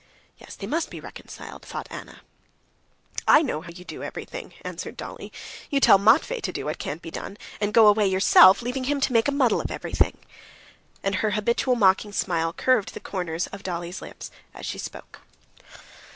"Yes, they must be reconciled," thought Anna. "I know how you do everything," answered Dolly. "You tell Matvey to do what can't be done, and go away yourself, leaving him to make a muddle of everything," and her habitual, mocking smile curved the corners of Dolly's lips as she spoke.